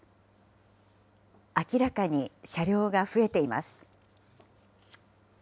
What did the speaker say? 明らかに車両が増えています。